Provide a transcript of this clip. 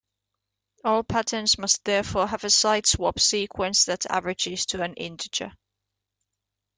All patterns must therefore have a siteswap sequence that averages to an integer.